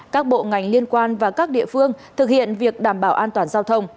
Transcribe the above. các bộ ngành liên quan và các địa phương thực hiện việc đảm bảo an toàn giao thông